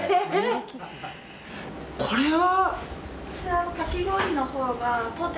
これは。